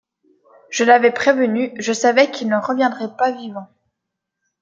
Je l'avais prévenu, je savais qu'il n'en reviendrait pas vivant.